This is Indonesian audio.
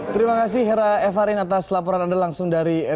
terima kasih hira evarine atas laporan anda langsung dari evo